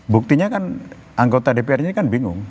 buktinya kan anggota dpr ini kan bingung